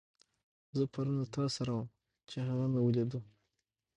زه پرون له تاسره وم، چې هغه مې وليدو.